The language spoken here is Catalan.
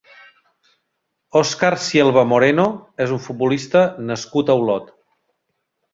Óscar Sielva Moreno és un futbolista nascut a Olot.